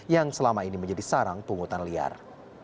yang selama ini menjadi sarang pungutan liar